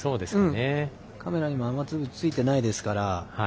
カメラにも雨粒ついてないですから。